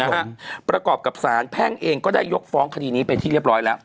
ประกอบกับสารแพ่งเองก็ได้ยกฟ้องคดีนี้เป็นที่เรียบร้อยแล้ว